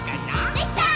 できたー！